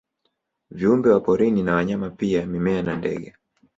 Viumbe wa porini na wanyama pia mimea na ndege